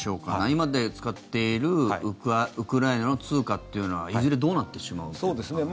今、使っているウクライナの通貨っていうのはいずれどうなってしまうんでしょうか。